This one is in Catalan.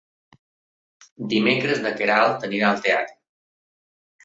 Dimecres na Queralt anirà al teatre.